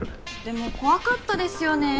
でも怖かったですよね。